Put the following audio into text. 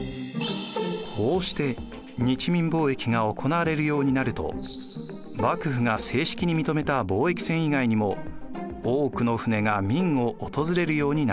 こうして日明貿易が行われるようになると幕府が正式に認めた貿易船以外にも多くの船が明を訪れるようになりました。